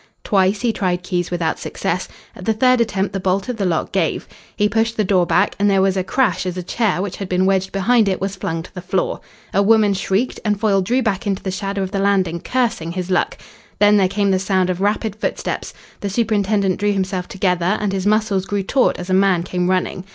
Twice he tried keys without success. At the third attempt the bolt of the lock gave. He pushed the door back and there was a crash as a chair which had been wedged behind it was flung to the floor. A woman shrieked, and Foyle drew back into the shadow of the landing, cursing his luck. Then there came the sound of rapid footsteps. The superintendent drew himself together, and his muscles grew taut as a man came running.